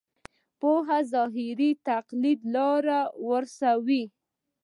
پوهې ظاهري تقلید لاره ورسوي.